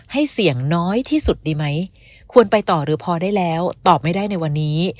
ให้เสี่ยงน้อยที่สุดดีไหมควรไปต่อหรือพอได้แล้วตอบไม่ได้ในวันนี้